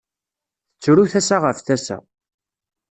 Tettru tasa ɣef tasa.